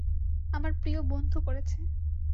আমার প্রিয় বন্ধু করেছে।